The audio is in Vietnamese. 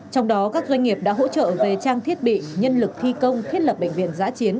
trong đó các doanh nghiệp đã hỗ trợ về trang thiết bị nhân lực thi công thiết lập bệnh viện giã chiến